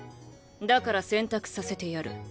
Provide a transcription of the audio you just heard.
だから選択させてやる。